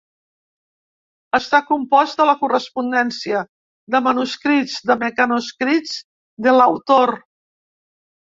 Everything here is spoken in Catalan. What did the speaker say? Està compost de la correspondència, de manuscrits i de mecanoscrits de l'autor.